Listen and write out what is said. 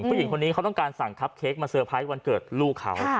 ผู้หญิงคนนี้เขาต้องการสั่งครับเค้กมาเตอร์ไพรส์วันเกิดลูกเขา